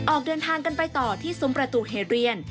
ออกเดินทางกันไปต่อที่ซุ้มประตูเหตุเรียน